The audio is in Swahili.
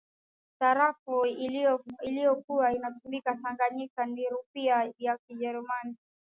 sarafu iliyokuwa inatumika tanganyika ni rupia ya kijerumani